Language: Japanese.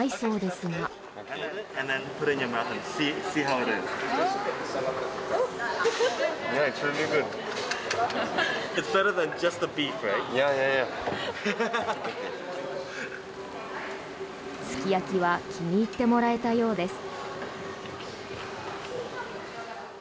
すき焼きは気に入ってもらえたようです。